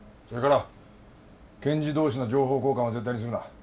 それから検事同士の情報交換は絶対にするな。